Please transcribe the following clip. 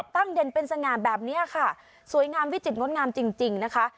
เด่นเป็นสง่าแบบนี้ค่ะสวยงามวิจิตรงดงามจริงนะคะ